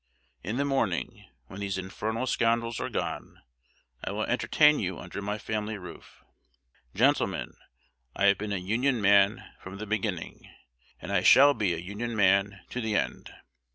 In the morning, when these infernal scoundrels are gone, I will entertain you under my family roof. Gentlemen, I have been a Union man from the beginning, and I shall be a Union man to the end.